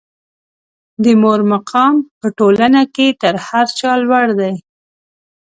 د مور مقام په ټولنه کې تر هر چا لوړ دی.